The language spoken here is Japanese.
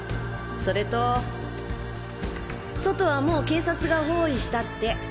それと外はもう警察が包囲したって。